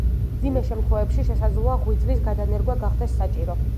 მძიმე შემთხვევებში შესაძლოა ღვიძლის გადანერგვა გახდეს საჭირო.